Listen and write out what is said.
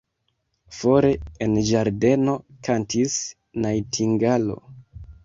Fore, en ĝardeno, kantis najtingalo.